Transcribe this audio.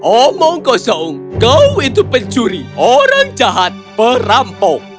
omongkosong kau itu pencuri orang jahat perampok